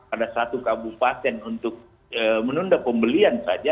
ada satu kabupaten untuk menunda pembelian saja